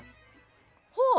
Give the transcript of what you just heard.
ほう。